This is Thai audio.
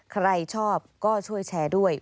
ใครชอบก็ช่วยแชร์ด้วย